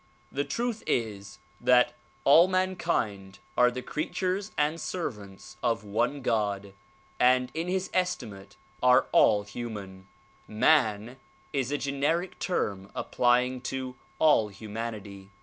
The truth is that all mankind are the creatures and servants of one God, and in his estimate all are human. ]\Ian" is a gen eric term applying to all humanity.